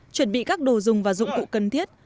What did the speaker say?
chuẩn bị các đồ dùng và dụng cụ cần thiết